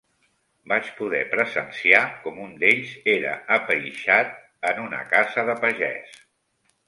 Vaig poder presenciar com un d'ells era apeixat en una casa de pagès.